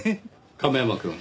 亀山くん。